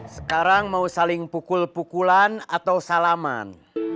sekarang mau saling pukul pukulan atau salaman